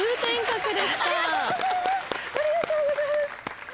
ありがとうございます。